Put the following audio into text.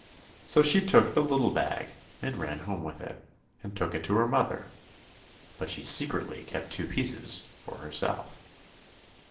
So she took the little bag and ran home with it, and took it to her mother, but she secretly kept two pieces for herself.